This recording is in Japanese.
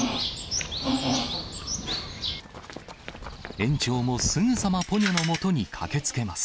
園長もすぐさまポニョのもとに駆けつけます。